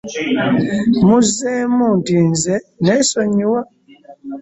Mmuzzeemu nti, “Nze nneesonyiwa."